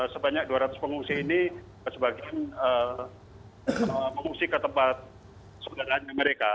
sebanyak dua ratus pengungsi ini sebagian mengungsi ke tempat saudaranya mereka